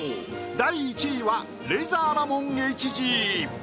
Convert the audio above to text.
第１位はレイザーラモンＨＧ。